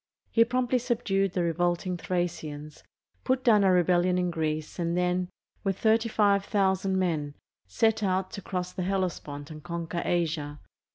He promptly subdued the revolting Thracians, put down a rebellion in Greece, and then, with 35,000 men, set out to cross the Hellespont and conquer Asia.